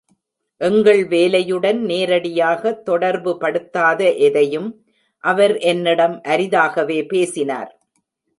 எங்கள் வேலையுடன் நேரடியாக தொடர்புபடுத்தாத எதையும் அவர் என்னிடம் அரிதாகவே பேசினார்.